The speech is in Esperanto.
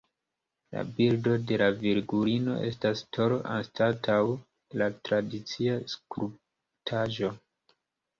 La bildo de la Virgulino estas tolo anstataŭ la tradicia skulptaĵo.